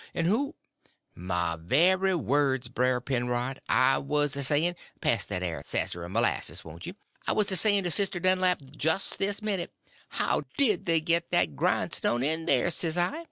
_ 'n' who—" "My very words, Brer Penrod! I was a sayin'—pass that air sasser o' m'lasses, won't ye?—I was a sayin' to Sister Dunlap, jist this minute, how did they git that grindstone in there, s'I.